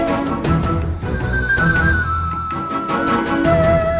aduh maaf neng